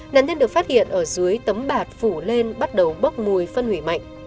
nạn nhân được phát hiện ở dưới tấm bạt phủ lên bắt đầu bốc mùi phân hủy mạnh